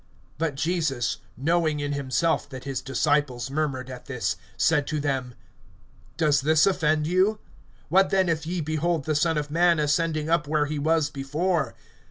(61)But Jesus, knowing in himself that his disciples murmured at this, said to them: Does this offend you? (62)What then if ye behold the Son of man ascending up where he was before?